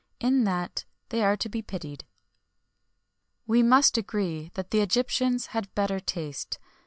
In that, they are to be pitied. We must agree that the Egyptians had better taste.